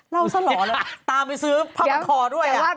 เล่าสะเหรอเลยตามไปซื้อผ้าปันคอด้วย